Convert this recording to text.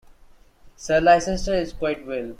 Sir Leicester is quite well.